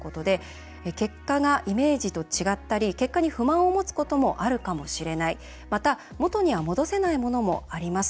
結果がイメージと違ったり結果に不満を持つこともあるかもしれないしもとには戻せないものもあります。